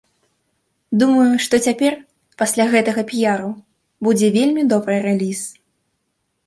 Думаю, што цяпер, пасля гэтага піяру, будзе вельмі добры рэліз.